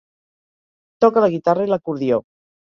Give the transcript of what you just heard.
Toca la guitarra i l'acordió.